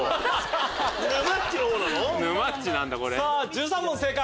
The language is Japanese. １３問正解。